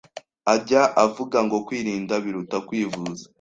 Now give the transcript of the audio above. ajya avuga ngo Kwirinda biruta kwivuza